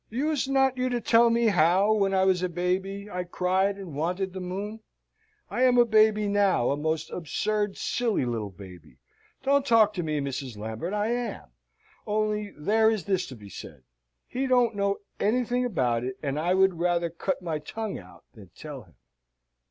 Used not you to tell me how, when I was a baby, I cried and wanted the moon? I am a baby now, a most absurd, silly, little baby don't talk to me, Mrs. Lambert, I am. Only there is this to be said, he don't know anything about it, and I would rather cut my tongue out than tell him."